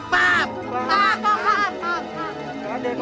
paham paham paham